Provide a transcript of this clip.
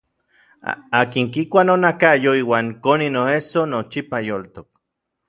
Akin kikua nonakayo iuan koni noesso nochipa yoltok.